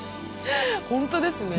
本当ですね。